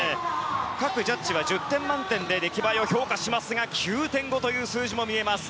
各ジャッジは１０点満点で出来栄えを評価しますが９．５という数字も見えます。